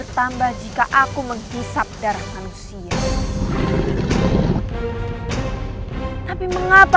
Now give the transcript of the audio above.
temuslah pohon itu